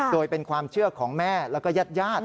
โดยเป็นความเชื่อของแม่แล้วก็ญาติญาติ